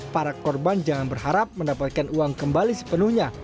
para korban jangan berharap mendapatkan uang kembali sepenuhnya